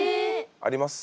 あります！